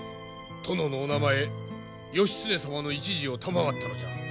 殿のお名前義経様の１字を賜ったのじゃ。